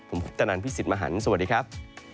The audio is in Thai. ผมพุทธนันพี่สิทธิ์มหันฯสวัสดีครับ